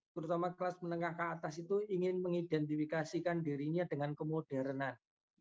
terutama kelas menengah ke atas itu ingin mengidentifikasikan dirinya dengan kemodernan